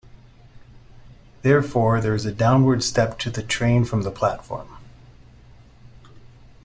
Therefore, there is a downward step to the train from the platform.